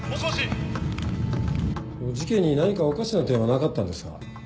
事件に何かおかしな点はなかったんですか？